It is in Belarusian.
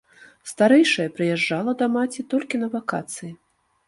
Старэйшая прыязджала да маці толькі на вакацыі.